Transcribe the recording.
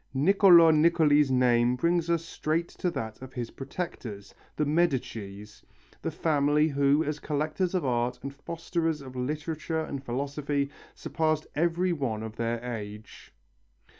Niccolo Niccoli's name brings us straight to that of his protectors, the Medicis, the family who as collectors of art and fosterers of literature and philosophy surpassed every one of their age.